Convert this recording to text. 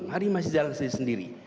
hari ini masih jalan sendiri